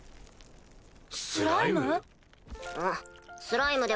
スライム？